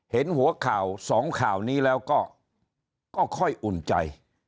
เห็นหัวข่าวสองข่าวนี้แล้วก็ค่อยอุ่นใจ